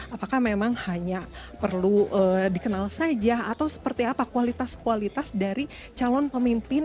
apakah memang hanya perlu dikenal saja atau seperti apa kualitas kualitas dari calon pemimpin